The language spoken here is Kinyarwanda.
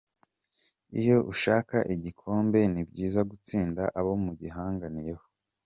Iyo ushaka igikombe ni byiza gutsinda abo mugihanganiyeho.